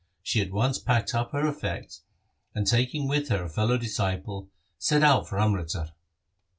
She at once packed up her effects, and taking with her a fellow disciple, set out for Amritsar.